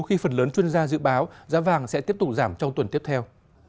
khi phần lớn chuyên gia dự báo giá vàng sẽ tiếp tục giảm trong tuần tiếp theo